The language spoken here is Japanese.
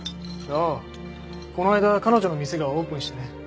ああこの間彼女の店がオープンしてね。